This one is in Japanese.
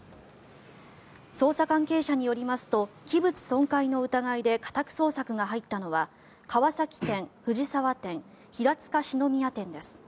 捜査関係者によりますと器物損壊の疑いで家宅捜索が入ったのは川崎店、藤沢店平塚四之宮店です。